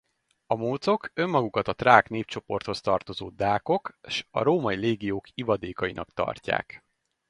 A mócok önmagukat a trák népcsoporthoz tartozó dákok s a római légiók ivadékainak tartják.